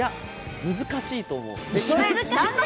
難しいと思う。